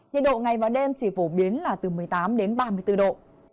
nhiệt độ ngày và đêm chỉ phổ biến là từ một mươi tám đến ba mươi bốn độ